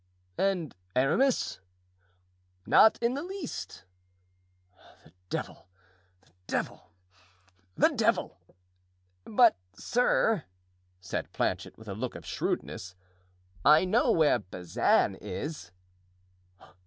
"And Aramis?" "Not in the least." "The devil! the devil! the devil!" "But, sir," said Planchet, with a look of shrewdness, "I know where Bazin is."